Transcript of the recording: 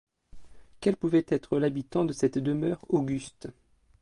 Quel pouvait être l’habitant de cette demeure auguste?